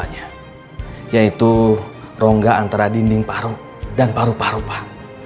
yaitu rongga antara dinding paru dan paru paru pak